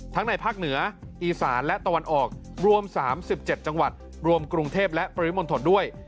ในภาคเหนืออีสานและตะวันออกรวม๓๗จังหวัดรวมกรุงเทพและปริมณฑลด้วย